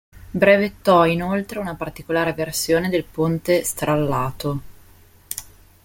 Brevettò inoltre una particolare versione del ponte strallato.